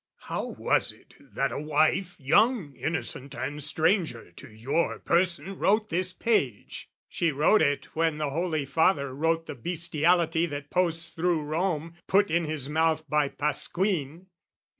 " How was it that a wife, young, innocent, "And stranger to your person, wrote this page?" " She wrote it when the Holy Father wrote "The bestiality that posts thro' Rome, "Put in his mouth by Pasquin."